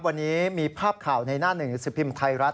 วันนี้มีภาพข่าวในหน้าหนึ่งสิบพิมพ์ไทยรัฐ